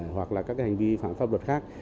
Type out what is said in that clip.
hoặc là các hành vi phản pháp luật khác